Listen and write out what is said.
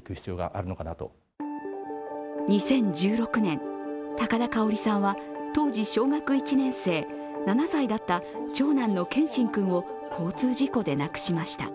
２０１６年、高田香さんは当時、小学１年生、７歳だった長男の謙真君を交通事故で亡くしました。